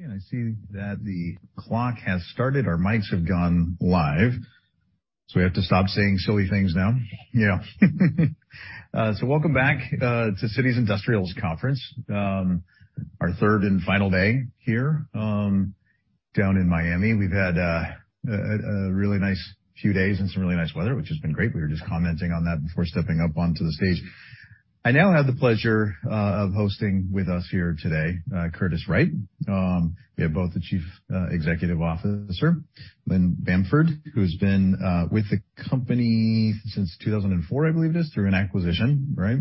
I see that the clock has started. Our mics have gone live, so we have to stop saying silly things now. Yeah. Welcome back to Citi's Industrials Conference, our third and final day here down in Miami. We've had a really nice few days and some really nice weather, which has been great. We were just commenting on that before stepping up onto the stage. I now have the pleasure of hosting with us here today, Curtiss-Wright. We have both the Chief Executive Officer, Lynn Bamford, who's been with the company since 2004, I believe it is, through an acquisition, right?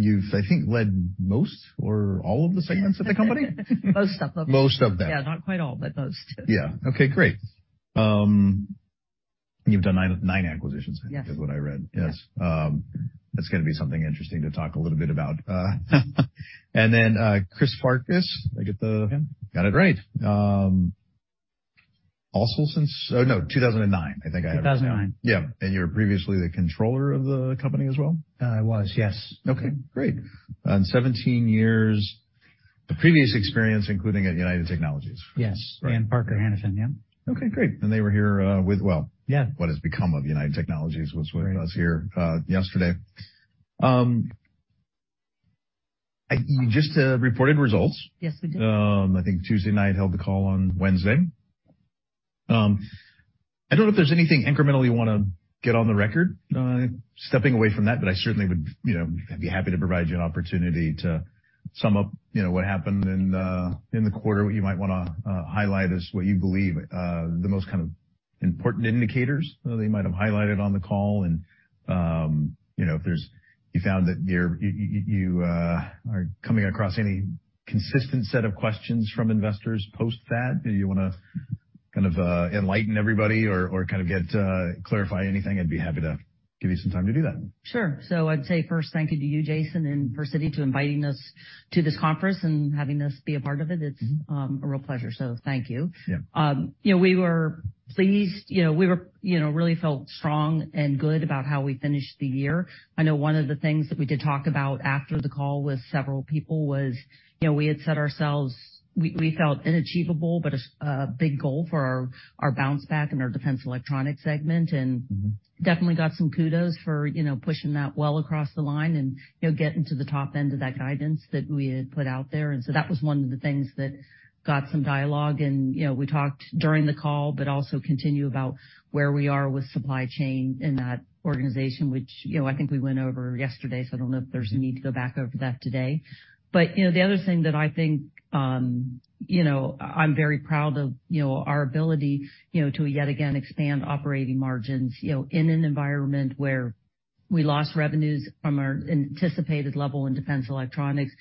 You've, I think, led most or all of the segments of the company. Most of them. Most of them. Yeah, not quite all, but most. Yeah. Okay, great. You've done nine acquisitions. Yes. Is what I read. Yes. That's gonna be something interesting to talk a little bit about. Chris Farkas, You got it. Got it right. Oh, no, 2009, I think I have. 2009. Yeah. You were previously the controller of the company as well. I was, yes. Okay, great. 17 years. The previous experience, including at United Technologies. Yes. Right. Parker Hannifin. Yeah. Okay, great. They were here, with, well- Yeah. What has become of United Technologies was with us here, yesterday. You just reported results. Yes, we did. I think Tuesday night, held the call on Wednesday. I don't know if there's anything incrementally you wanna get on the record, stepping away from that, but I certainly would, you know, be happy to provide you an opportunity to sum up, you know, what happened in the quarter. What you might wanna highlight is what you believe, the most kind of important indicators they might have highlighted on the call. You know, if you found that you're coming across any consistent set of questions from investors, post that. Do you wanna kind of enlighten everybody or kind of get clarify anything? I'd be happy to give you some time to do that. Sure. I'd say first, thank you to you, Jason, and for Citi to inviting us to this conference and having us be a part of it. Mm-hmm. It's a real pleasure, so thank you. Yeah. You know, we were pleased. You know, we were, you know, really felt strong and good about how we finished the year. I know one of the things that we did talk about after the call with several people was, you know, we had set ourselves, we felt unachievable, but a big goal for our bounce back in our defense electronics segment. Mm-hmm. Definitely got some kudos for, you know, pushing that well across the line and, you know, getting to the top end of that guidance that we had put out there. That was one of the things that got some dialogue. You know, we talked during the call, but also continue about where we are with supply chain in that organization, which, you know, I think we went over yesterday, so I don't know if there's a need to go back over that today. You know, the other thing that I think, you know, I'm very proud of, you know, our ability, you know, to yet again expand operating margins, you know, in an environment where we lost revenues from our anticipated level in defense electronics.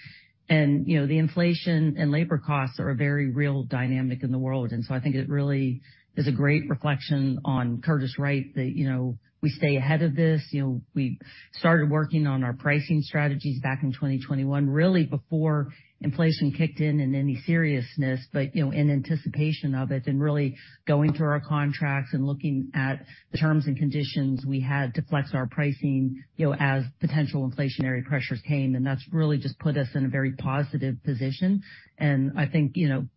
You know, the inflation and labor costs are a very real dynamic in the world. I think it really is a great reflection on Curtiss-Wright that, you know, we stay ahead of this. You know, we started working on our pricing strategies back in 2021, really before inflation kicked in any seriousness. You know, in anticipation of it and really going through our contracts and looking at the terms and conditions, we had to flex our pricing, you know, as potential inflationary pressures came. That's really just put us in a very positive position. I think, you know,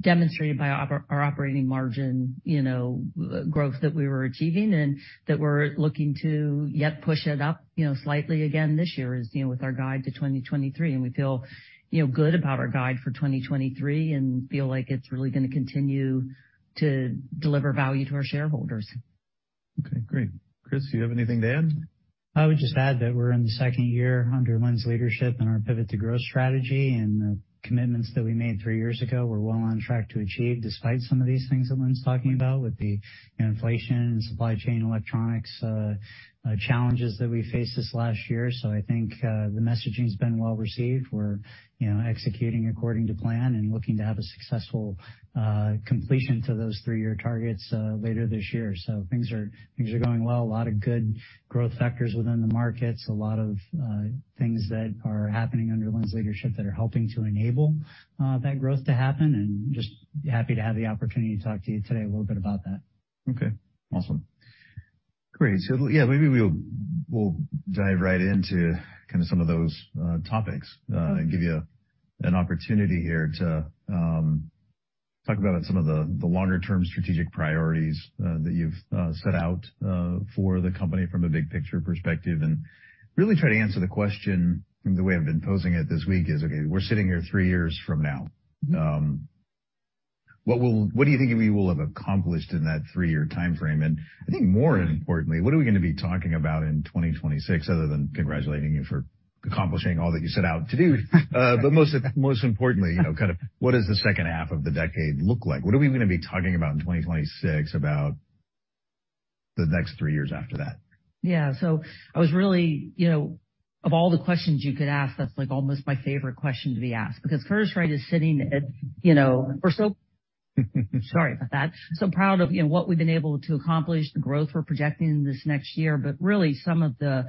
demonstrated by our operating margin, you know, growth that we were achieving and that we're looking to yet push it up, you know, slightly again this year as, you know, with our guide to 2023. We feel, you know, good about our guide for 2023 and feel like it's really gonna continue to deliver value to our shareholders. Okay, great. Chris, do you have anything to add? I would just add that we're in the second year under Lynn's leadership and our Pivot to Growth strategy and the commitments that we made three years ago, we're well on track to achieve, despite some of these things that Lynn's talking about with the inflation and supply chain electronics challenges that we faced this last year. I think the messaging's been well received. We're, you know, executing according to plan and looking to have a successful completion to those three-year targets later this year. Things are going well. A lot of good growth factors within the markets. A lot of things that are happening under Lynn's leadership that are helping to enable that growth to happen, and just happy to have the opportunity to talk to you today a little bit about that. Okay, awesome. Great. Yeah, maybe we'll dive right into kind of some of those topics. Mm-hmm. Give you an opportunity here to talk about some of the longer term strategic priorities that you've set out for the company from a big picture perspective, and really try to answer the question from the way I've been posing it this week is, okay, we're sitting here three years from now. Mm-hmm. What do you think we will have accomplished in that three-year timeframe? I think more importantly, what are we gonna be talking about in 2026, other than congratulating you for accomplishing all that you set out to do? Most importantly, you know, kind of what does the H2 of the decade look like? What are we gonna be talking about in 2026 about the next 3 years after that? Yeah. I was really, you know, of all the questions you could ask, that's like almost my favorite question to be asked, because Curtiss-Wright is sitting at, you know, Sorry about that. So proud of, you know, what we've been able to accomplish, the growth we're projecting this next year. Really some of the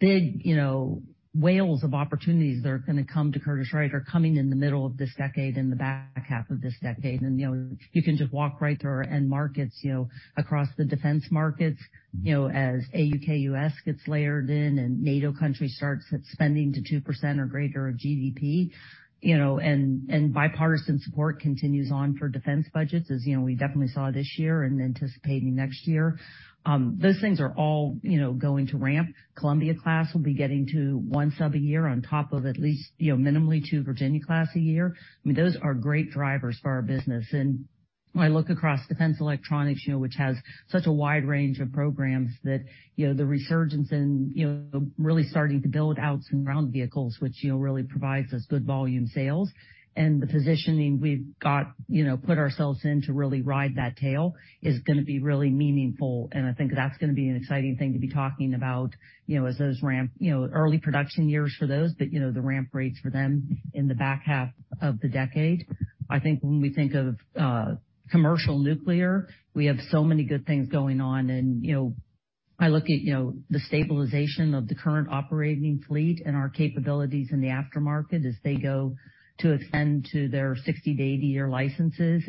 big, you know, whales of opportunities that are gonna come to Curtiss-Wright are coming in the middle of this decade, in the back half of this decade. You can just walk right through our end markets, you know, across the defense markets, you know, as AUKUS gets layered in and NATO countries starts its spending to 2% or greater of GDP, you know, and bipartisan support continues on for defense budgets as, you know, we definitely saw this year and anticipating next year. Those things are all, you know, going to ramp. Columbia-class will be getting to 1 sub a year on top of at least, you know, minimally 2 Virginia class a year. I mean, those are great drivers for our business. When I look across defense electronics, you know, which has such a wide range of programs that, you know, the resurgence and, you know, really starting to build out some ground vehicles, which, you know, really provides us good volume sales. The positioning we've got, you know, put ourselves in to really ride that tail is going to be really meaningful, and I think that's going to be an exciting thing to be talking about, you know, as those ramp, you know, early production years for those, but, you know, the ramp rates for them in the back half of the decade I think when we think of commercial nuclear, we have so many good things going on. You know, I look at, you know, the stabilization of the current operating fleet and our capabilities in the aftermarket as they go to extend to their 60 to 80-year licenses.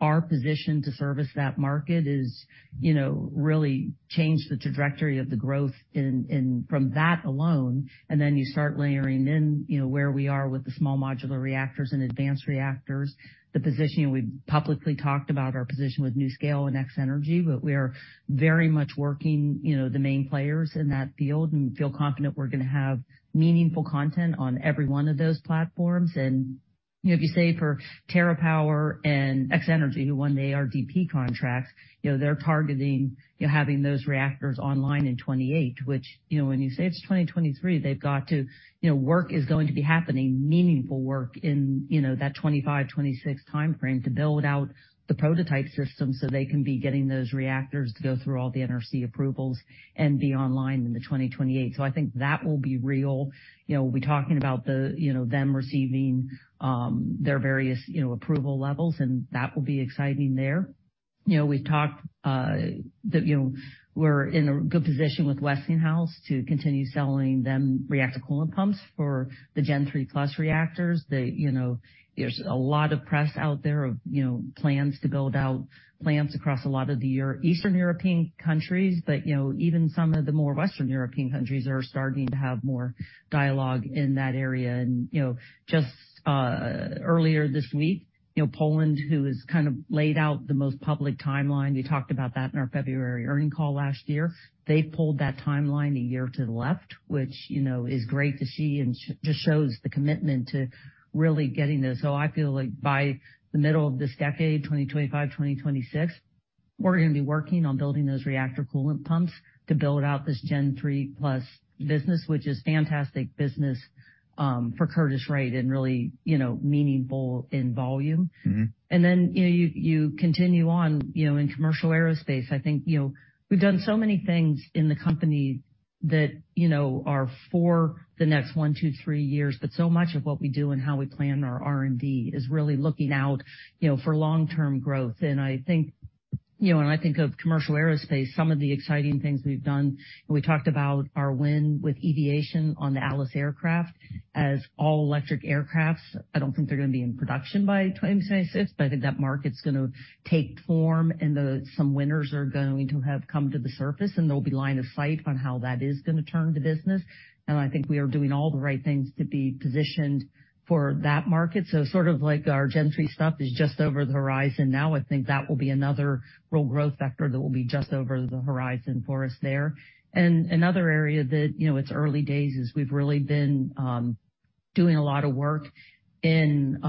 Our position to service that market is, you know, really changed the trajectory of the growth in from that alone. You start layering in, you know, where we are with the small modular reactors and advanced reactors. The positioning we've publicly talked about our position with NuScale and X-energy, but we are very much working, you know, the main players in that field and feel confident we're gonna have meaningful content on every one of those platforms. You know, if you say for TerraPower and X-energy, who won the ARDP contracts, you know, they're targeting, you know, having those reactors online in 2028, which, you know, when you say it's 2023, they've got to, you know, work is going to be happening, meaningful work in, you know, that 2025, 2026 timeframe to build out the prototype system so they can be getting those reactors to go through all the NRC approvals and be online in the 2028. I think that will be real. You know, we'll be talking about the, you know, them receiving their various, you know, approval levels, and that will be exciting there. You know, we've talked that, you know, we're in a good position with Westinghouse to continue selling them reactor coolant pumps for the Gen III+ reactors. They, you know, there's a lot of press out there of, you know, plans to build out plants across a lot of the Eastern European countries, but, you know, even some of the more Western European countries are starting to have more dialogue in that area. You know, just earlier this week, you know, Poland, who has kind of laid out the most public timeline, we talked about that in our February earning call last year. They pulled that timeline a year to the left, which, you know, is great to see and just shows the commitment to really getting this. I feel like by the middle of this decade, 2025, 2026, we're gonna be working on building those reactor coolant pumps to build out this Gen III+ business, which is fantastic business, for Curtiss-Wright and really, you know, meaningful in volume. Mm-hmm. Then, you know, you continue on, you know, in commercial aerospace, I think, you know, we've done so many things in the company that you know are for the next one, two, three years, but so much of what we do and how we plan our R&D is really looking out, you know, for long-term growth. I think, you know, when I think of commercial aerospace, some of the exciting things we've done, and we talked about our win with Eviation on the Alice aircraft as all-electric aircraft. I don't think they're gonna be in production by 2026, but I think that market's gonna take form and some winners are going to have come to the surface, and there'll be line of sight on how that is gonna turn the business. I think we are doing all the right things to be positioned for that market. Sort of like our Gen III stuff is just over the horizon now, I think that will be another real growth vector that will be just over the horizon for us there. Another area that, you know, it's early days is we've really been doing a lot of work in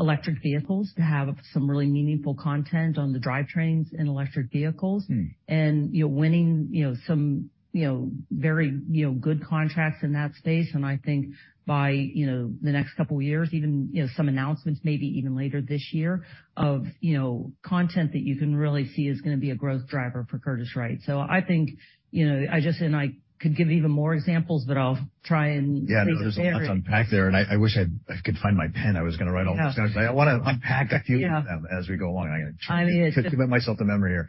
electric vehicles to have some really meaningful content on the drivetrains in electric vehicles. Mm-hmm. You're winning, you know, some, you know, very, you know, good contracts in that space. I think by, you know, the next couple years even, you know, some announcements maybe even later this year of, you know, content that you can really see is gonna be a growth driver for Curtiss-Wright. I think, you know, I could give even more examples, but I'll try. Yeah. Be concise. There's a lot to unpack there, and I wish I could find my pen. I was gonna write all this down. Oh. Cause I wanna unpack a few of them. Yeah. As we go along. I mean. To commit myself to memory here.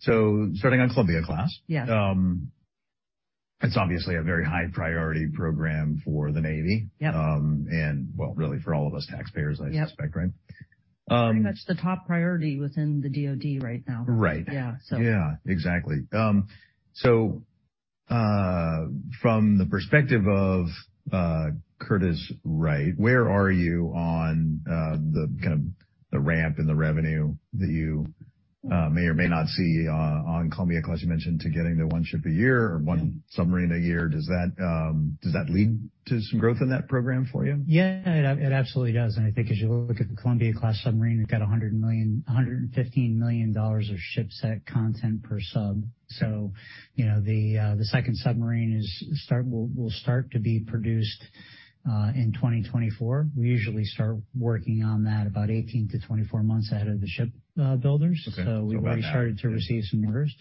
Starting on Columbia-class. Yeah. It's obviously a very high priority program for the Navy. Yep. well, really for all of us taxpayers. Yep. I suspect, right? Pretty much the top priority within the DoD right now. Right. Yeah. Yeah, exactly. From the perspective of Curtiss-Wright, where are you on the kind of the ramp and the revenue that you may or may not see on Columbia class? You mentioned to getting to 1 ship a year or 1 submarine a year. Does that lead to some growth in that program for you? Yeah, it absolutely does. I think as you look at the Columbia-class submarine, we've got $100 million, $115 million of ship set content per sub. You know, the second submarine will start to be produced in 2024. We usually start working on that about 18-24 months ahead of the ship builders. Okay. About now. We've already started to receive some orders.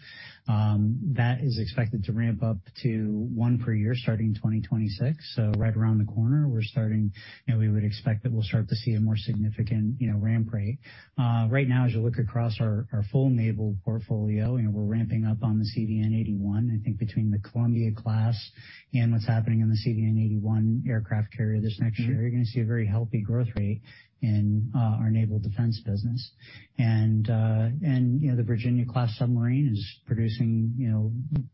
That is expected to ramp up to one per year starting 2026. Right around the corner, you know, we would expect that we'll start to see a more significant, you know, ramp rate. Right now, as you look across our full naval portfolio, you know, ramping up on the CVN-81. I think between the Columbia-class and what's happening in the CVN-81 aircraft carrier this next year, you're gonna see a very healthy growth rate in our naval defense business. You know, the Virginia-class submarine is producing, you know,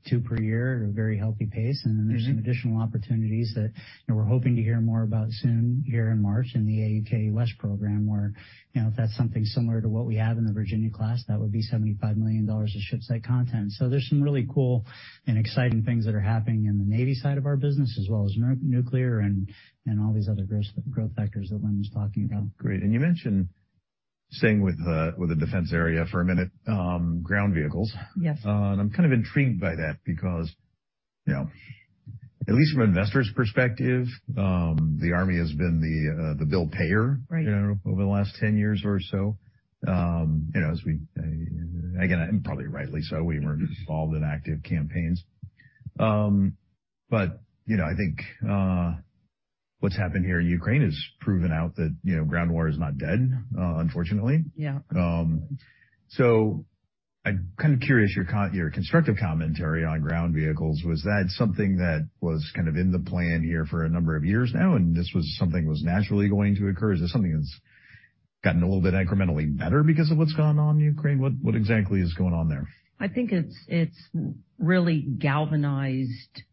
two per year at a very healthy pace. There's some additional opportunities that, you know, we're hoping to hear more about soon here in March in the AUKUS program where, you know, if that's something similar to what we have in the Virginia class, that would be $75 million of ship set content. There's some really cool and exciting things that are happening in the Navy side of our business, as well as nuclear and all these other growth factors that Lynn was talking about. Great. You mentioned, staying with the defense area for a minute, ground vehicles. Yes. I'm kind of intrigued by that because, you know, at least from an investor's perspective, the Army has been the bill payer- Right. You know, over the last 10 years or so. You know, as we, again, and probably rightly so, we were involved in active campaigns. You know, I think, what's happened here in Ukraine has proven out that, you know, ground war is not dead, unfortunately. Yeah. I'm kind of curious your constructive commentary on ground vehicles. Was that something that was kind of in the plan here for a number of years now, and this was something that was naturally going to occur? Is this something that's gotten a little bit incrementally better because of what's gone on in Ukraine? What, what exactly is going on there? I think it's really galvanized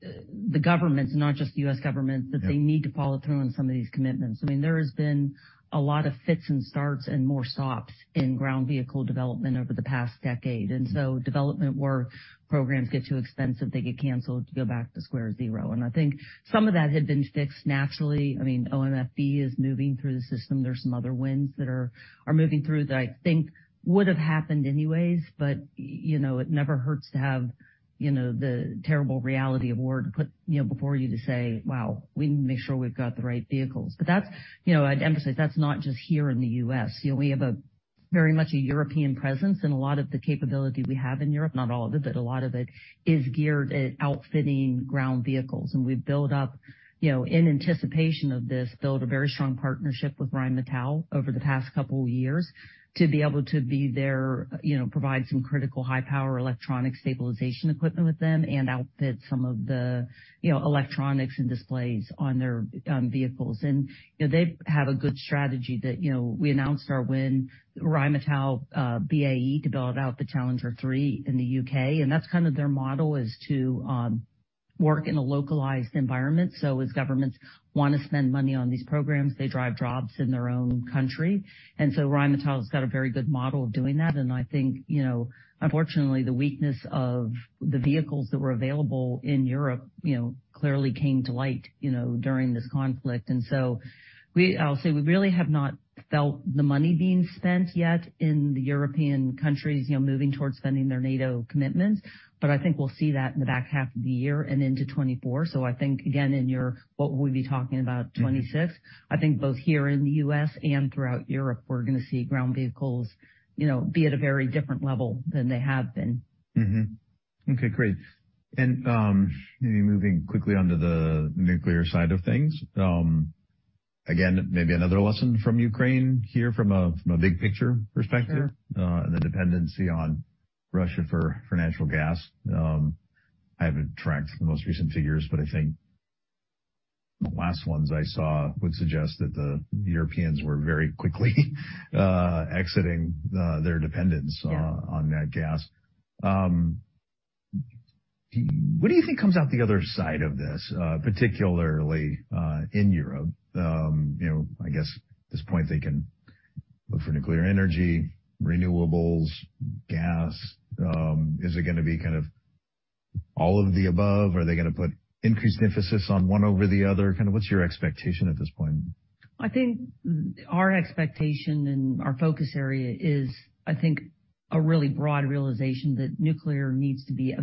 the government, not just the U.S. government, that they need to follow through on some of these commitments. I mean, there has been a lot of fits and starts and more stops in ground vehicle development over the past decade. Development work programs get too expensive, they get canceled, you go back to square 0. I think some of that had been fixed naturally. I mean, OMFV is moving through the system. There's some other wins that are moving through that I think would've happened anyways, but, you know, it never hurts to have, you know, the terrible reality of war to put, you know, before you to say, "Wow, we need to make sure we've got the right vehicles." That's, you know, I'd emphasize, that's not just here in the U.S. You know, we have a very much a European presence, and a lot of the capability we have in Europe, not all of it, but a lot of it, is geared at outfitting ground vehicles. We've built up, you know, in anticipation of this, built a very strong partnership with Rheinmetall over the past couple years to be able to be their, you know, provide some critical high power electronic stabilization equipment with them and outfit some of the, you know, electronics and displays on their vehicles. You know, they have a good strategy that, you know, we announced our win, Rheinmetall, BAE, to build out the Challenger 3 in the UK. That's kind of their model, is to work in a localized environment. So as governments wanna spend money on these programs, they drive jobs in their own country. Rheinmetall has got a very good model of doing that. I think, you know, unfortunately, the weakness of the vehicles that were available in Europe, you know, clearly came to light, you know, during this conflict. I'll say we really have not felt the money being spent yet in the European countries, you know, moving towards funding their NATO commitments. I think we'll see that in the back half of the year and into 2024. I think, again, in your, what we'll be talking about, 2026, I think both here in the U.S. and throughout Europe, we're gonna see ground vehicles, you know, be at a very different level than they have been. Mm-hmm. Okay, great. Maybe moving quickly onto the nuclear side of things. Again, maybe another lesson from Ukraine here from a, from a big picture perspective. Sure. The dependency on Russia for natural gas. I haven't tracked the most recent figures, but I think the last ones I saw would suggest that the Europeans were very quickly exiting their dependence. Yeah. on that gas. What do you think comes out the other side of this, particularly, in Europe? You know, I guess at this point, they can look for nuclear energy, renewables, gas. Is it gonna be kind of all of the above? Are they gonna put increased emphasis on one over the other? Kinda what's your expectation at this point? I think our expectation and our focus area is, I think, a really broad realization that nuclear needs to be a,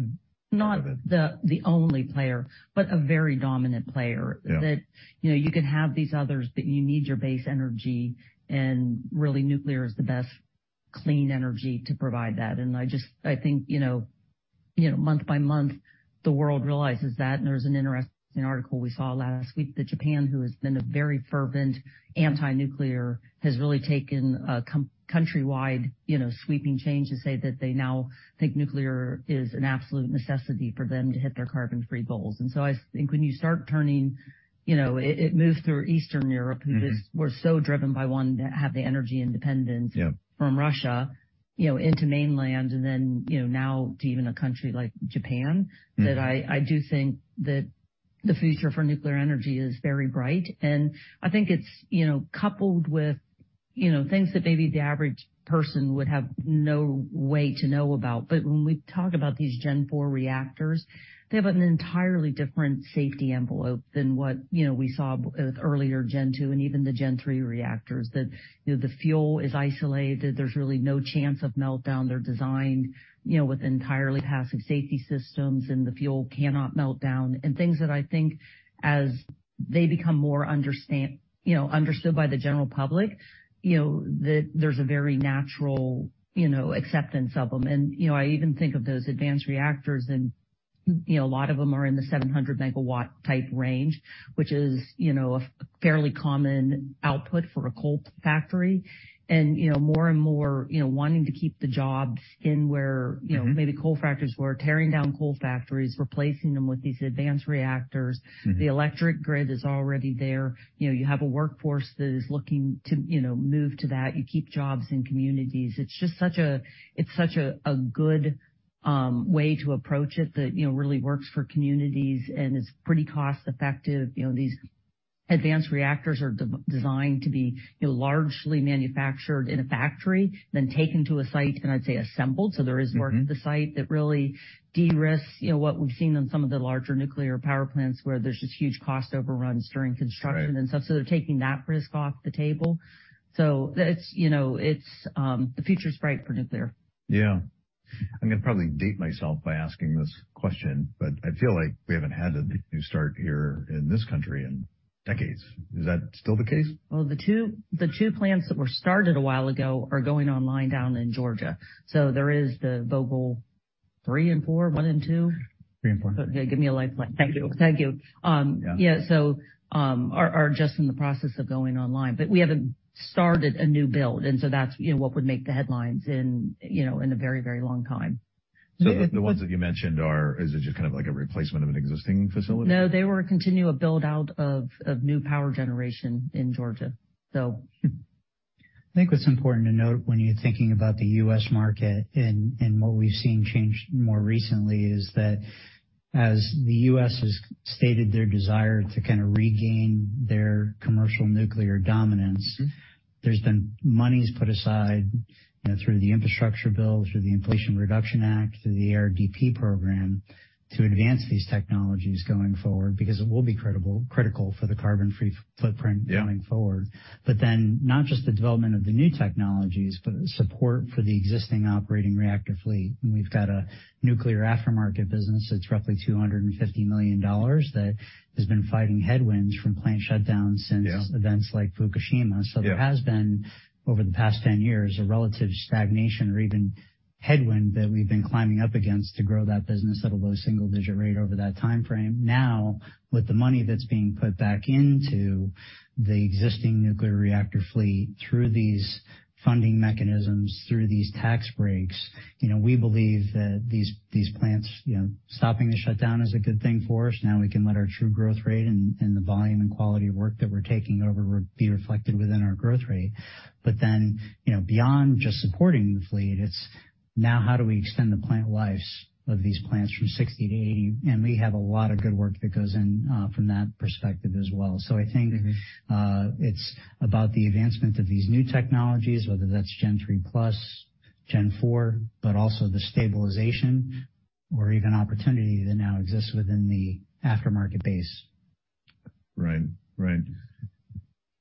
not the only player, but a very dominant player. Yeah. You know, you can have these others, but you need your base energy, and really nuclear is the best clean energy to provide that. I just, I think, you know, month by month, the world realizes that. There's an interesting article we saw last week that Japan, who has been a very fervent anti-nuclear, has really taken a countrywide, you know, sweeping change to say that they now think nuclear is an absolute necessity for them to hit their carbon-free goals. I think when you start turning, you know, it moved through Eastern Europe who just were so driven by one, to have the energy independence- Yeah. from Russia, you know, into mainland, and then, you know, now to even a country like Japan. Mm-hmm. I do think that the future for nuclear energy is very bright. I think it's, you know, coupled with, you know, things that maybe the average person would have no way to know about. When we talk about these Gen IV reactors, they have an entirely different safety envelope than what, you know, we saw with earlier Gen II and even the Gen III reactors. You know, the fuel is isolated, there's really no chance of meltdown. They're designed, you know, with entirely passive safety systems, and the fuel cannot melt down. Things that I think as they become more understood by the general public, you know, the, there's a very natural, you know, acceptance of them. You know, I even think of those advanced reactors andYou know, a lot of them are in the 700 megawatt type range, which is, you know, a fairly common output for a coal factory. You know, more and more, you know, wanting to keep the jobs in where, you know, maybe coal factories were tearing down coal factories, replacing them with these advanced reactors. Mm-hmm. The electric grid is already there. You know, you have a workforce that is looking to, you know, move to that. You keep jobs in communities. It's such a good way to approach it that, you know, really works for communities, and it's pretty cost-effective. You know, these advanced reactors are designed to be, you know, largely manufactured in a factory, then taken to a site, and I'd say assembled. There is work at the site that really de-risks, you know, what we've seen on some of the larger nuclear power plants, where there's just huge cost overruns during construction. Right. Stuff, so they're taking that risk off the table. It's, you know, it's the future's bright for nuclear. Yeah. I'm gonna probably date myself by asking this question, but I feel like we haven't had a new start here in this country in decades. Is that still the case? Well, the two plants that were started a while ago are going online down in Georgia. There is the Vogtle 3 and 4, 1 and 2. Three and four. Give me a lifeline. Thank you. Thank you. Yeah. Are just in the process of going online, but we haven't started a new build. That's, you know, what would make the headlines in, you know, in a very, very long time. The ones that you mentioned Is it just kind of like a replacement of an existing facility? No, they were a continual build-out of new power generation in Georgia. So. I think what's important to note when you're thinking about the U.S. market and what we've seen change more recently is that as the U.S. has stated their desire to kinda regain their commercial nuclear dominance. Mm-hmm. There's been monies put aside, you know, through the infrastructure bill, through the Inflation Reduction Act, through the ARDP program to advance these technologies going forward, because it will be critical for the carbon-free footprint going forward. Yeah. Not just the development of the new technologies, but support for the existing operating reactor fleet. We've got a nuclear aftermarket business that's roughly $250 million that has been fighting headwinds from plant shutdowns. Yeah. events like Fukushima. Yeah. There has been, over the past 10 years, a relative stagnation or even headwind that we've been climbing up against to grow that business at a low single-digit rate over that timeframe. With the money that's being put back into the existing nuclear reactor fleet through these funding mechanisms, through these tax breaks, you know, we believe that these plants, you know, stopping the shutdown is a good thing for us. We can let our true growth rate and the volume and quality of work that we're taking over be reflected within our growth rate. Beyond, you know, just supporting the fleet, it's now how do we extend the plant lives of these plants from 60 to 80? We have a lot of good work that goes in from that perspective as well. Mm-hmm. I think it's about the advancement of these new technologies, whether that's Gen III+, Gen IV, but also the stabilization or even opportunity that now exists within the aftermarket base. Right. Right.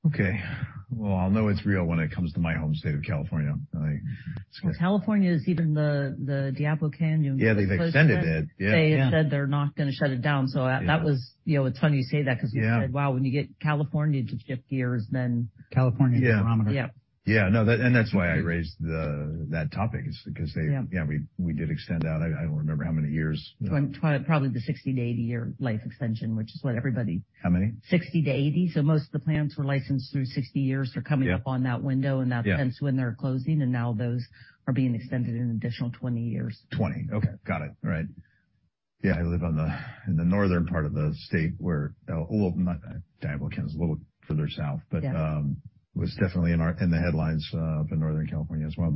Okay. Well, I'll know it's real when it comes to my home state of California. Well, California is even the Diablo Canyon. Yeah, they've extended it. Yeah. They have said they're not gonna shut it down. Yeah. that was, you know, it's funny you say that 'cause. Yeah. Wow, when you get California to shift gears, then. California is the barometer. Yeah. Yeah. Yeah. No, that's why I raised that topic is because. Yeah. Yeah, we did extend out. I don't remember how many years. Probably the 60 to 80-year life extension, which is what everybody. How many? 60 to 80. Most of the plants were licensed through 60 years. Yeah. They're coming up on that window. Yeah. Hence when they're closing, and now those are being extended an additional 20 years. 20. Okay. Got it. All right. Yeah, I live on the, in the northern part of the state where, well, Diablo Canyon is a little further south. Yeah. was definitely in the headlines, up in Northern California as well.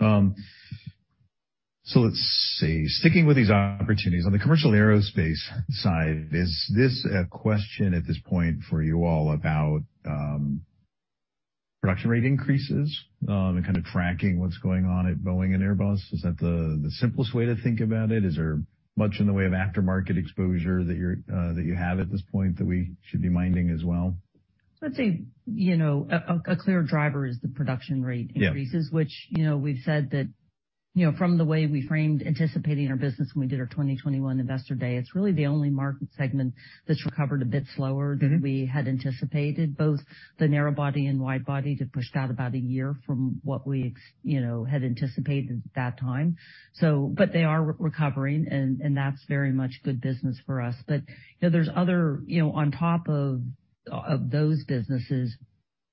Yeah. Let's see. Sticking with these opportunities, on the commercial aerospace side, is this a question at this point for you all about production rate increases and kind of tracking what's going on at Boeing and Airbus? Is that the simplest way to think about it? Is there much in the way of aftermarket exposure that you have at this point that we should be minding as well? Let's say, you know, a clear driver is the production rate increases. Yeah. which, you know, we've said that, you know, from the way we framed anticipating our business when we did our 2021 Investor Day, it's really the only market segment that's recovered a bit slower. Mm-hmm. -than we had anticipated. Both the narrow body and wide body get pushed out about a year from what we you know, had anticipated at that time. They are recovering and that's very much good business for us. You know, there's other, you know, on top of those businesses,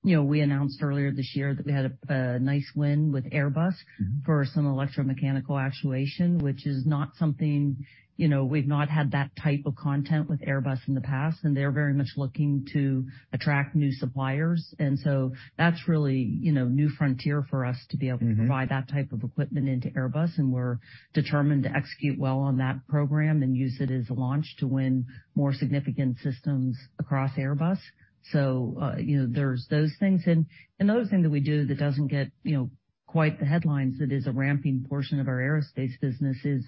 you know, we announced earlier this year that we had a nice win with Airbus. Mm-hmm. -for some electromechanical actuation, which is not something, you know, we've not had that type of content with Airbus in the past, and they're very much looking to attract new suppliers. So that's really, you know, new frontier for us to be able- Mm-hmm. to provide that type of equipment into Airbus, and we're determined to execute well on that program and use it as a launch to win more significant systems across Airbus. You know, there's those things. Another thing that we do that doesn't get, you know, quite the headlines that is a ramping portion of our aerospace business is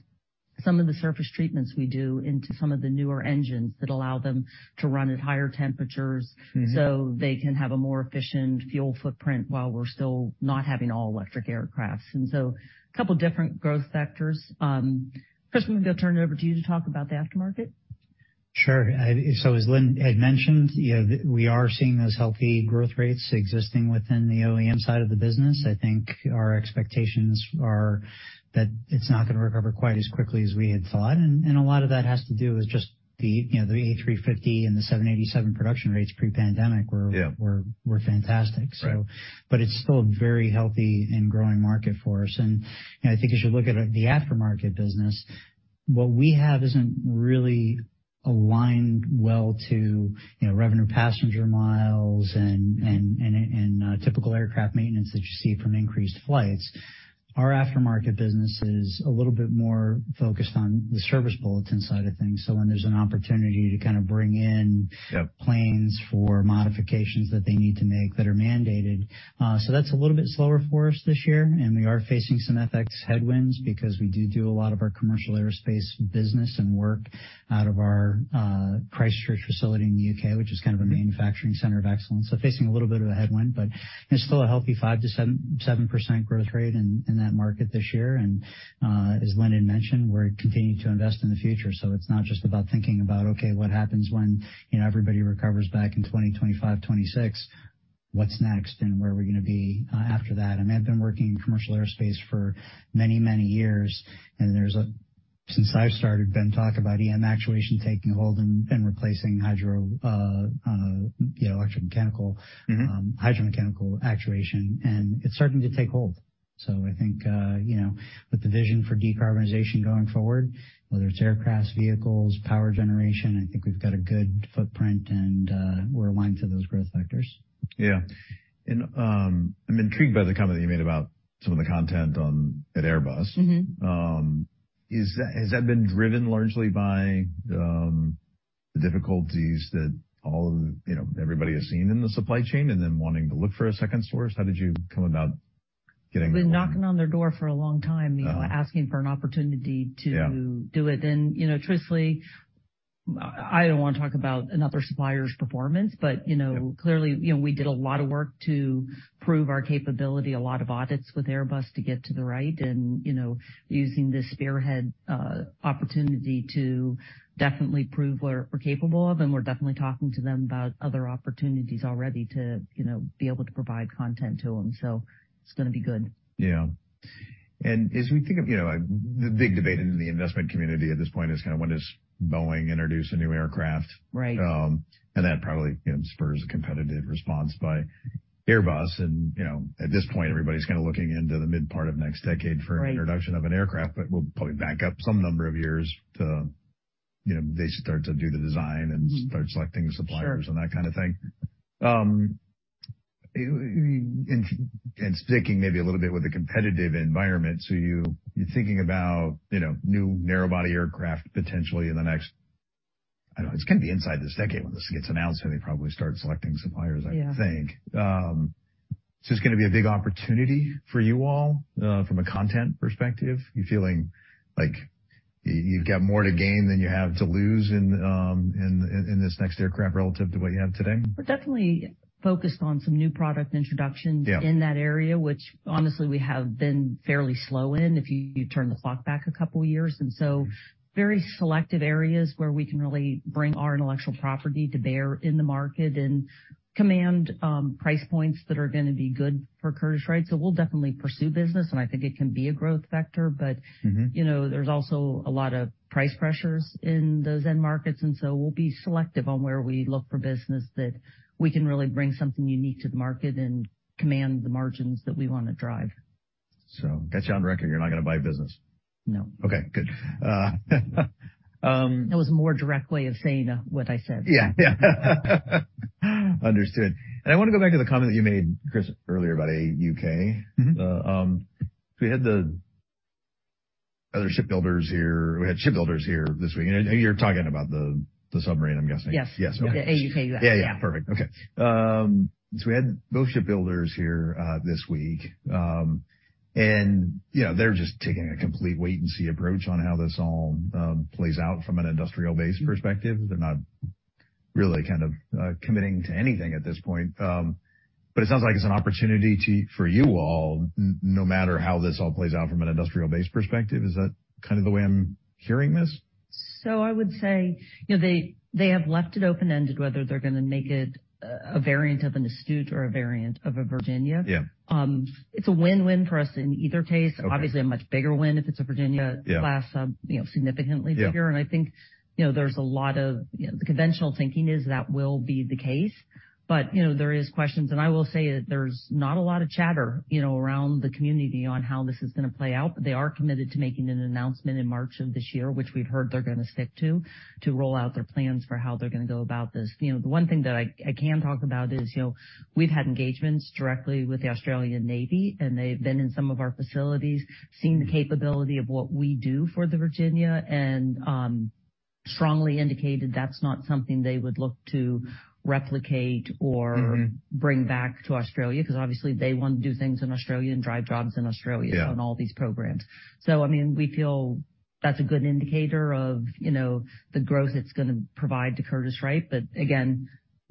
some of the surface treatments we do into some of the newer engines that allow them to run at higher temperatures. Mm-hmm. They can have a more efficient fuel footprint while we're still not having all electric aircraft. A couple different growth sectors. Chris, I'm gonna turn it over to you to talk about the aftermarket. Sure. As Lynn had mentioned, you know, we are seeing those healthy growth rates existing within the OEM side of the business. I think our expectations are that it's not gonna recover quite as quickly as we had thought, and a lot of that has to do with just the, you know, the A350 and the 787 production rates pre-pandemic were- Yeah. were fantastic. Right. But it's still a very healthy and growing market for us. I think as you look at the aftermarket business, what we have isn't really aligned well to, you know, revenue passenger miles and typical aircraft maintenance that you see from increased flights. Our aftermarket business is a little bit more focused on the Service Bulletin side of things. When there's an opportunity to kind of bring in- Yep. -planes for modifications that they need to make that are mandated. That's a little bit slower for us this year, and we are facing some FX headwinds because we do a lot of our commercial aerospace business and work out of our Christchurch facility in the UK, which is kind of a manufacturing center of excellence. Facing a little bit of a headwind, but it's still a healthy 5%-7% growth rate in that market this year. As Lyndon mentioned, we're continuing to invest in the future. It's not just about thinking about, okay, what happens when, you know, everybody recovers back in 2025, 2026, what's next and where are we gonna be after that? I mean, I've been working in commercial aerospace for many, many years, and there's a... Since I've started, been talk about EM actuation taking hold and replacing hydro, you know, electrical mechanical-. Mm-hmm. hydro mechanical actuation, and it's starting to take hold. I think, you know, with the vision for decarbonization going forward, whether it's aircraft, vehicles, power generation, I think we've got a good footprint, and we're aligned to those growth vectors. Yeah. I'm intrigued by the comment that you made about some of the content on, at Airbus. Mm-hmm. Has that been driven largely by the difficulties that all of, you know, everybody has seen in the supply chain and then wanting to look for a second source? How did you come about getting that? We've been knocking on their door for a long time, you know, asking for an opportunity. Yeah. do it. you know, truthfully, I don't wanna talk about another supplier's performance, but, you know. Yeah. clearly, you know, we did a lot of work to prove our capability, a lot of audits with Airbus to get to the right and, you know, using this Spearhead opportunity to definitely prove what we're capable of, and we're definitely talking to them about other opportunities already to, you know, be able to provide content to them. It's gonna be good. Yeah. As we think of, you know, the big debate in the investment community at this point is kind of when does Boeing introduce a new aircraft? Right. That probably, you know, spurs a competitive response by Airbus. You know, at this point, everybody's kind of looking into the mid part of next decade. Right. An introduction of an aircraft, but we'll probably back up some number of years to, you know, they start to do the design and start selecting suppliers. Sure. That kind of thing. Sticking maybe a little bit with the competitive environment. You're thinking about, you know, new narrow body aircraft potentially in the next, I don't know, it's gonna be inside this decade when this gets announced, so they probably start selecting suppliers, I think. Yeah. Is this gonna be a big opportunity for you all from a content perspective? You feeling like you've got more to gain than you have to lose in this next aircraft relative to what you have today? We're definitely focused on some new product introductions. Yeah. in that area, which honestly, we have been fairly slow in, if you turn the clock back two years. Very selective areas where we can really bring our intellectual property to bear in the market and command, price points that are gonna be good for Curtiss-Wright. We'll definitely pursue business, and I think it can be a growth vector, but. Mm-hmm. you know, there's also a lot of price pressures in those end markets, and so we'll be selective on where we look for business that we can really bring something unique to the market and command the margins that we want to drive. Got you on record, you're not gonna buy business. No. Okay, good. That was a more direct way of saying what I said. Yeah. Yeah. Understood. I wanna go back to the comment that you made, Chris, earlier about AUKUS. Mm-hmm. We had the other shipbuilders here. We had shipbuilders here this week. You're talking about the submarine, I'm guessing. Yes. Yes, okay. The AUKUS, yeah. Yeah, yeah. Perfect. Okay. We had both shipbuilders here this week. You know, they're just taking a complete wait and see approach on how this all plays out from an industrial base perspective. They're not really kind of committing to anything at this point. It sounds like it's an opportunity for you all, no matter how this all plays out from an industrial base perspective. Is that kind of the way I'm hearing this? I would say, you know, they have left it open-ended, whether they're gonna make it a variant of an Astute or a variant of a Virginia. Yeah. It's a win-win for us in either case. Okay. Obviously, a much bigger win if it's a Virginia-... Yeah. -class sub, you know, significantly bigger. Yeah. I think, you know, there's a lot of... The conventional thinking is that will be the case. You know, there is questions, and I will say that there's not a lot of chatter, you know, around the community on how this is gonna play out. They are committed to making an announcement in March of this year, which we've heard they're gonna stick to roll out their plans for how they're gonna go about this. You know, the one thing that I can talk about is, you know, we've had engagements directly with the Australian Navy, and they've been in some of our facilities, seen the capability of what we do for the Virginia and strongly indicated that's not something they would look to replicate or-. Mm-hmm. bring back to Australia, 'cause obviously, they wanna do things in Australia and drive jobs in Australia Yeah. -on all these programs. I mean, we feel that's a good indicator of, you know, the growth it's gonna provide to Curtiss-Wright. Again,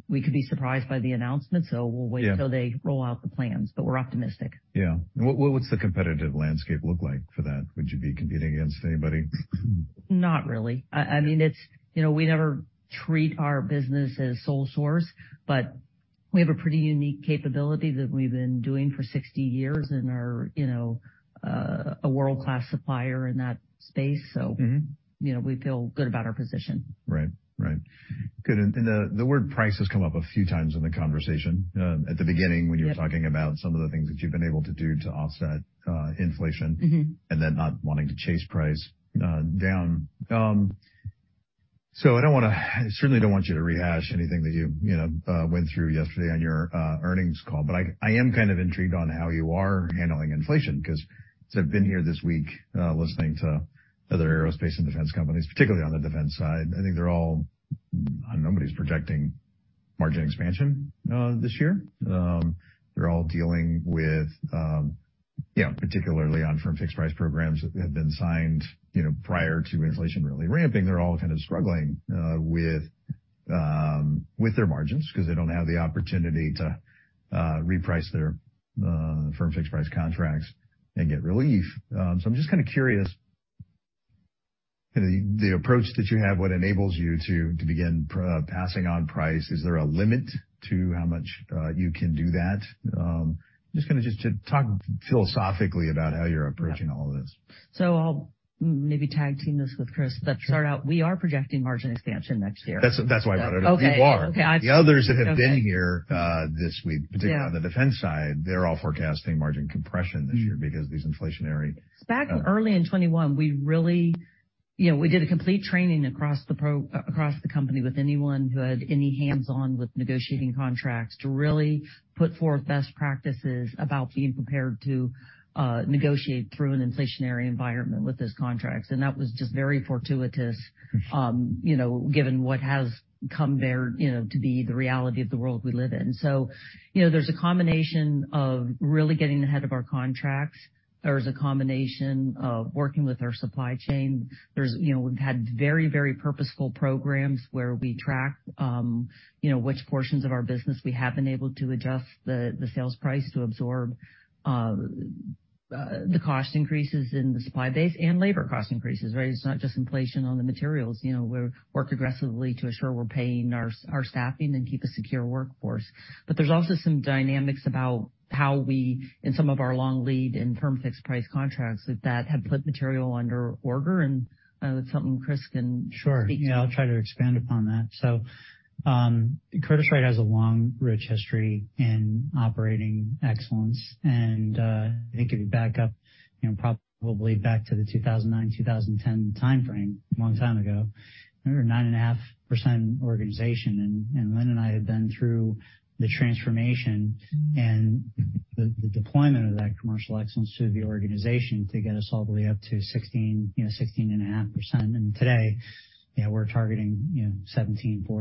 we could be surprised by the announcement, so we'll wait... Yeah. Until they roll out the plans, we're optimistic. Yeah. What's the competitive landscape look like for that? Would you be competing against anybody? Not really. I mean, it's, you know, we never treat our business as sole source, but we have a pretty unique capability that we've been doing for 60 years and are, you know, a world-class supplier in that space. Mm-hmm. you know, we feel good about our position. Right. Right. Good. The word price has come up a few times in the conversation, at the beginning when you were talking about some of the things that you've been able to do to offset, inflation. Mm-hmm. Not wanting to chase price down. I certainly don't want you to rehash anything that you know, went through yesterday on your earnings call, but I am kind of intrigued on how you are handling inflation 'cause as I've been here this week, listening to other aerospace and defense companies, particularly on the defense side, I think they're all. Nobody's projecting margin expansion this year. They're all dealing with, you know, particularly on firm fixed price programs that have been signed, you know, prior to inflation really ramping. They're all kind of struggling with their margins 'cause they don't have the opportunity to reprice their firm fixed price contracts and get relief. I'm just kind of curious, you know, the approach that you have, what enables you to begin passing on price. Is there a limit to how much you can do that? I'm just gonna just, to talk philosophically about how you're approaching all of this. I'll maybe tag team this with Chris. Let's start out. We are projecting margin expansion next year. That's why I brought it up. Okay. You are. Okay. The others that have been here, this week. Yeah. particularly on the defense side, they're all forecasting margin compression this year because these inflationary. Back early in 2021, we really, you know, we did a complete training across the company with anyone who had any hands-on with negotiating contracts to really put forth best practices about being prepared to negotiate through an inflationary environment with those contracts. That was just very fortuitous, you know, given what has come bear, you know, to be the reality of the world we live in. There's a combination of really getting ahead of our contracts. There's a combination of working with our supply chain. There's, you know, we've had very, very purposeful programs where we track, you know, which portions of our business we have been able to adjust the sales price to absorb the cost increases in the supply base and labor cost increases, right? It's not just inflation on the materials. You know, we're work aggressively to assure we're paying our staffing and keep a secure workforce. There's also some dynamics about how we, in some of our long lead and firm fixed price contracts that have put material under order, and that's something Chris can speak to. Sure. Yeah, I'll try to expand upon that. Curtiss-Wright has a long, rich history in operating excellence, I think if you back up, you know, probably back to the 2009, 2010 timeframe, a long time ago, we were a 9.5% organization. Lynn and I have been through the transformation and the deployment of that commercial excellence to the organization to get us all the way up to 16%, you know, 16.5%. Today, you know, we're targeting, you know,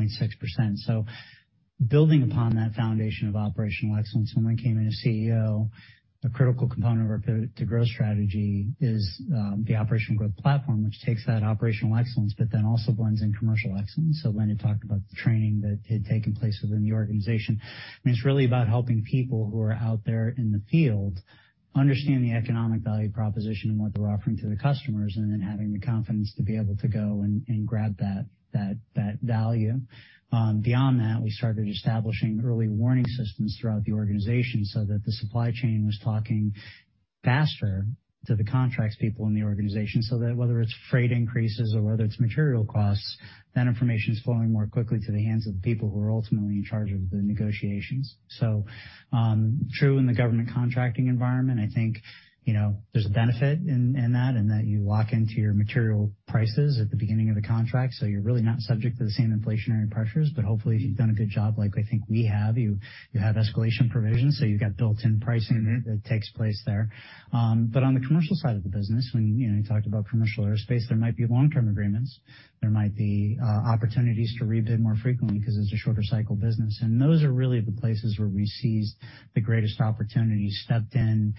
17.4%-17.6%. Building upon that foundation of operational excellence, when Lynn came in as CEO, a critical component of our Pivot to Growth strategy is the operational growth platform, which takes that operational excellence also blends in commercial excellence. Lynn had talked about the training that had taken place within the organization, and it's really about helping people who are out there in the field understand the economic value proposition and what they're offering to the customers, and then having the confidence to be able to go and grab that value. Beyond that, we started establishing early warning systems throughout the organization so that the supply chain was talking faster to the contracts people in the organization, so that whether it's freight increases or whether it's material costs, that information is flowing more quickly to the hands of the people who are ultimately in charge of the negotiations. True in the government contracting environment, I think, you know, there's a benefit in that you lock into your material prices at the beginning of the contract, so you're really not subject to the same inflationary pressures. Hopefully, if you've done a good job like I think we have, you have escalation provisions, so you've got built-in pricing that takes place there. On the commercial side of the business, when, you know, you talked about commercial aerospace, there might be long-term agreements. There might be opportunities to rebid more frequently 'cause it's a shorter cycle business. Those are really the places where we seized the greatest opportunities, stepped in,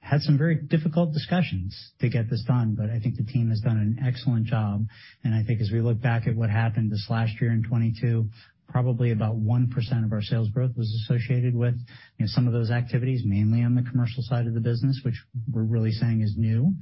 had some very difficult discussions to get this done. I think the team has done an excellent job, and I think as we look back at what happened this last year in 2022, probably about 1% of our sales growth was associated with, you know, some of those activities, mainly on the commercial side of the business, which we're really saying is new,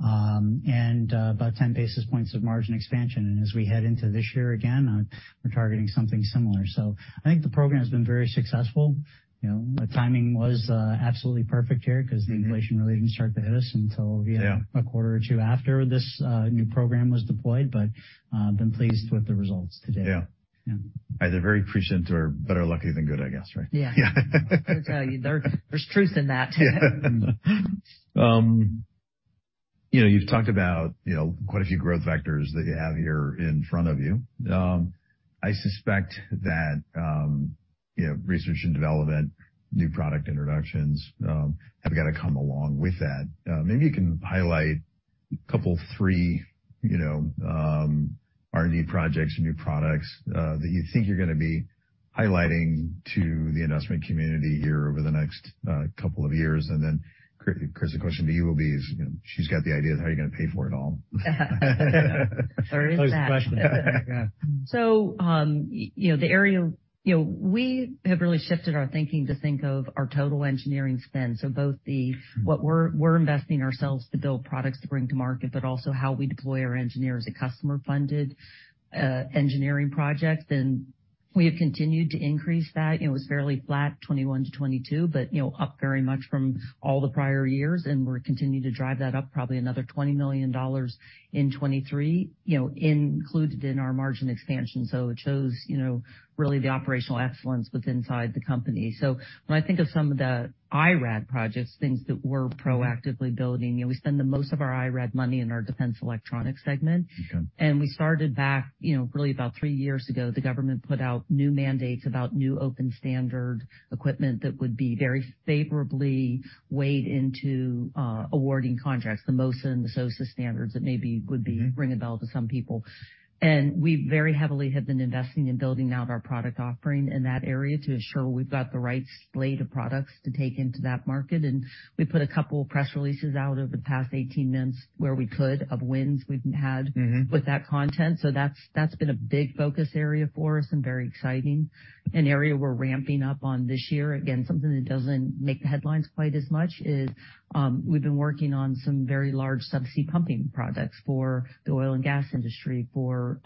and about 10 basis points of margin expansion. As we head into this year, again, we're targeting something similar. I think the program has been very successful. You know, the timing was absolutely perfect here 'cause the inflation really didn't start to hit us until, you know. Yeah. A quarter or two after this, new program was deployed. Been pleased with the results to date. Yeah. Yeah. Either very prescient or better lucky than good, I guess, right? Yeah. Yeah. I'll tell you, there's truth in that too. You know, you've talked about, you know, quite a few growth vectors that you have here in front of you. I suspect that, you know, research and development, new product introductions, have gotta come along with that. Maybe you can highlight a couple, three, you know, R&D projects, new products, that you think you're gonna be highlighting to the investment community here over the next two years, and then Chris, the question to you will be is, you know, she's got the idea of how you're gonna pay for it all. There is that. Always a question. You know, the area. You know, we have really shifted our thinking to think of our total engineering spend. Both what we're investing ourselves to build products to bring to market, but also how we deploy our engineers as a customer-funded engineering project. We have continued to increase that. It was fairly flat 2021 to 2022, but, you know, up very much from all the prior years, and we're continuing to drive that up probably another $20 million in 2023, you know, included in our margin expansion. It shows, you know, really the operational excellence with inside the company. When I think of some of the IRAD projects, things that we're proactively building, you know, we spend the most of our IRAD money in our defense electronics segment. Okay. We started back, you know, really about three years ago, the government put out new mandates about new open standard equipment that would be very favorably weighed into awarding contracts, the MOSA and the SOSA standards that maybe would be. Mm-hmm. ring a bell to some people. We very heavily have been investing in building out our product offering in that area to ensure we've got the right slate of products to take into that market. We put a couple of press releases out over the past 18 months where we could of wins we've had Mm-hmm. with that content. That's been a big focus area for us and very exciting. An area we're ramping up on this year, again, something that doesn't make the headlines quite as much is, we've been working on some very large subsea pumping products for the oil and gas industry for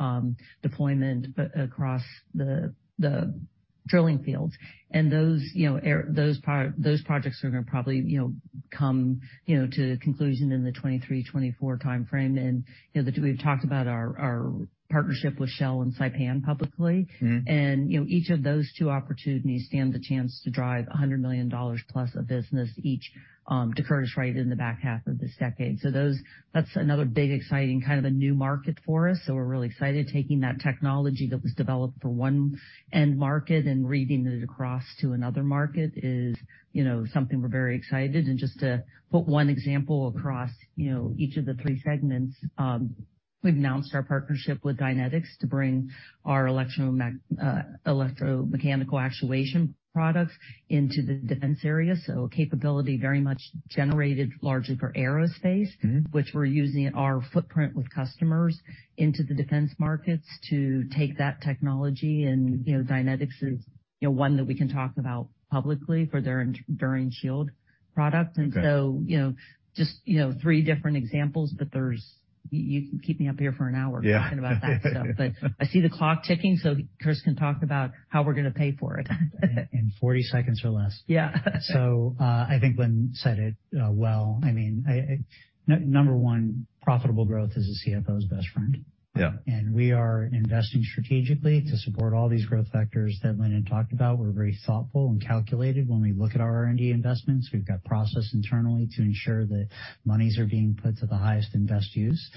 deployment across the drilling fields. Those, you know, those projects are gonna probably, you know, come, you know, to conclusion in the 2023, 2024 timeframe. You know, we've talked about our partnership with Shell and Sapura publicly. Mm-hmm. You know, each of those two opportunities stand the chance to drive $100 million plus of business each, to Curtiss-Wright in the back half of this decade. Those, that's another big exciting kind of a new market for us. We're really excited taking that technology that was developed for one end market and reading it across to another market is, you know, something we're very excited. Just to put one example across, you know, each of the three segments, we've announced our partnership with Dynetics to bring our electromechanical actuation products into the defense area. A capability very much generated largely for aerospace- Mm-hmm. which we're using our footprint with customers into the defense markets to take that technology. You know, Dynetics is, you know, one that we can talk about publicly for their Enduring Shield product. Okay. you know, just, you know, three different examples, but there's. You can keep me up here for an hour... Yeah. talking about that stuff. I see the clock ticking, so Kris can talk about how we're gonna pay for it. In 40 seconds or less. Yeah. I think Lynn said it, well. I mean, number one, profitable growth is a CFO's best friend. Yeah. We are investing strategically to support all these growth vectors that Lynn had talked about. We're very thoughtful and calculated when we look at our R&D investments. We've got process internally to ensure that monies are being put to the highest and best use.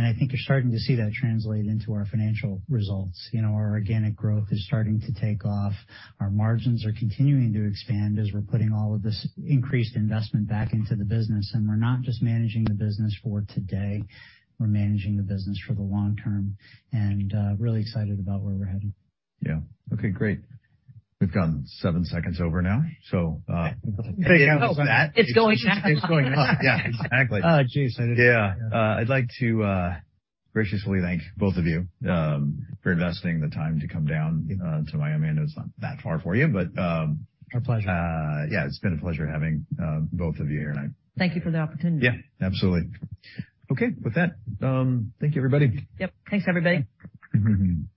I think you're starting to see that translate into our financial results. You know, our organic growth is starting to take off. Our margins are continuing to expand as we're putting all of this increased investment back into the business. We're not just managing the business for today, we're managing the business for the long term, and really excited about where we're heading. Yeah. Okay, great. We've gone seven seconds over now, so. Can we cancel that? It's going up. It's going up. Yeah, exactly. Oh, jeez, I didn't. Yeah. I'd like to graciously thank both of you for investing the time to come down to Miami. I know it's not that far for you, but... Our pleasure. Yeah, it's been a pleasure having both of you here tonight. Thank you for the opportunity. Yeah, absolutely. Okay, with that, thank you, everybody. Yep. Thanks, everybody. Mm-hmm.